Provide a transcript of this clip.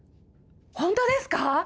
ホントですか？